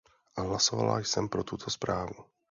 Hlasovala jsem pro tuto zprávu.